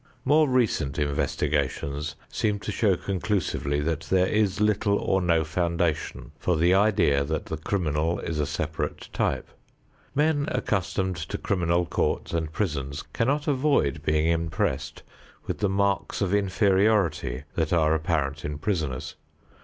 More recent investigations seem to show conclusively that there is little or no foundation for the idea that the criminal is a separate type. Men accustomed to criminal courts and prisons cannot avoid being impressed with the marks of inferiority that are apparent in prisoners.